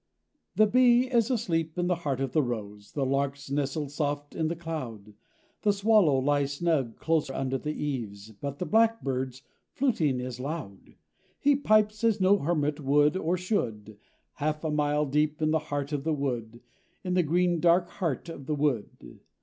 The bee is asleep in the heart of the rose, The lark's nestled soft in the cloud, The swallow lies snug close under the eaves— But the blackbird's fluting is loud; He pipes as no hermit would or should, Half a mile deep in the heart of the wood, In the green dark heart of the wood.